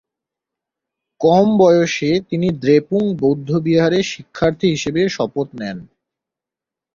কম বয়সে তিনি দ্রেপুং বৌদ্ধবিহারে শিক্ষার্থী হিসেবে শপথ নেন।